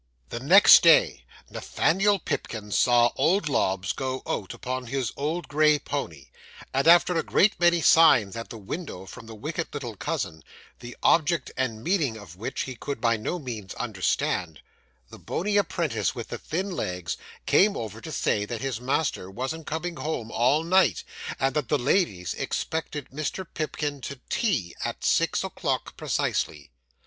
The next day, Nathaniel Pipkin saw old Lobbs go out upon his old gray pony, and after a great many signs at the window from the wicked little cousin, the object and meaning of which he could by no means understand, the bony apprentice with the thin legs came over to say that his master wasn't coming home all night, and that the ladies expected Mr. Pipkin to tea, at six o'clock precisely.